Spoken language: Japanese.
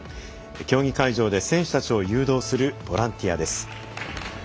競技会場で選手たちを誘導するボランティアです。